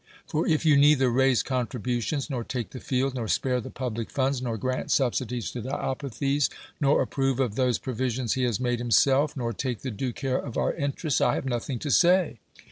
For, if you neither raise contributions, nor take the field, nor spare the public funds, nor grant subsidies to Diopithes, nor approve of those pro visions he has made himself, nor take the due care of our interests, I have nothing to say.